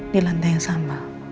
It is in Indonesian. di lantai yang sama